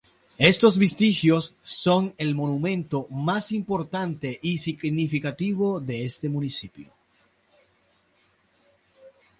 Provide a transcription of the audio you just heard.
Estos vestigios son el monumento más importante y significativo de este municipio.